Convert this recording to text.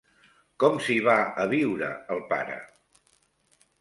Com s'hi va a viure el pare?